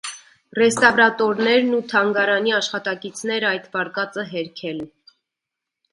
Ռեստավրատորներն ու թանգարանի աշխատակիցները այդ վարկածը հերքել են։